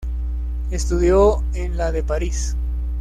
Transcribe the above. Estudió en la de París.